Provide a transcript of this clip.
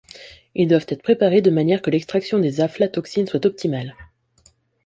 Ils doivent être préparés de manière que l’extraction des aflatoxines soit optimale.